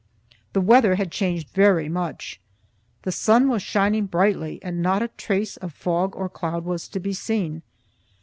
The weather had changed very much. The sun was shining brightly and not a trace of fog or cloud was to be seen.